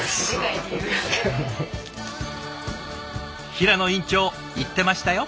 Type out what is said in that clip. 平野院長言ってましたよ。